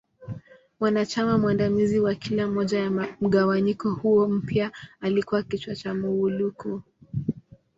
Mwanachama mwandamizi wa kila moja ya mgawanyiko huu mpya alikua kichwa cha Muwuluko.